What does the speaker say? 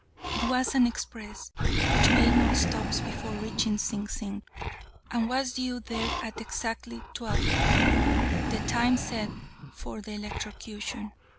It was an express, which made no stops before reaching Sing Sing, and was due there at exactly twelve o'clock, the time set for the electrocution.